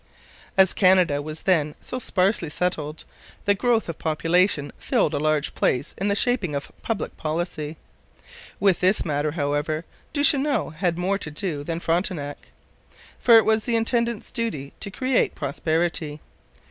As Canada was then so sparsely settled, the growth of population filled a large place in the shaping of public policy. With this matter, however, Duchesneau had more to do than Frontenac, for it was the intendant's duty to create prosperity.